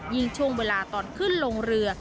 ช่วงเวลาตอนขึ้นลงเรือ